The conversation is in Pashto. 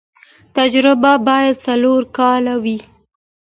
تجربه باید څلور کاله وي.